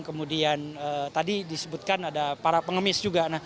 kemudian tadi disebutkan ada para pengemis juga